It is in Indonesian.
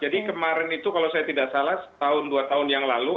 jadi kemarin itu kalau saya tidak salah tahun dua tahun yang lalu